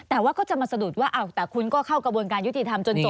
แต่ว่าก็จะมาสะดุดว่าแต่คุณก็เข้ากระบวนการยุติธรรมจนจบ